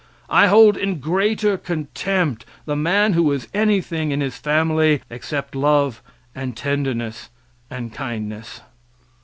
I hold in greater contempt the man who is anything in his family except love and tenderness, and kindness.